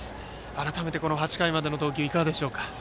改めて８回までの投球いかがでしょうか。